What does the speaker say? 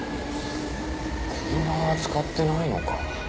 車は使ってないのか。